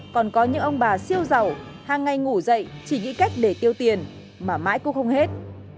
còn có những ông bà siêu giàu hàng ngày ngủ dậy chỉ nghĩ cách để tiêu tiền mà mãi cũng không hết